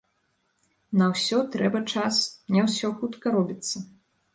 На ўсё трэба час, не ўсё хутка робіцца.